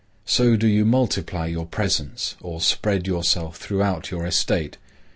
So do you multiply your presence, or spread yourself throughout your estate.